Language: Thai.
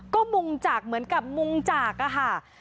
ก็มุงจากเหมือนกับมุงจากอะค่ะ